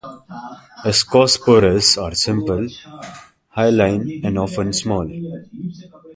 Ascospores are simple, hyaline, and often small.